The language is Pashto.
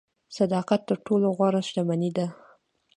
صداقت تر ټولو غوره شتمني ده.